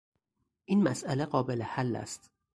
این مسئله قابل حل است.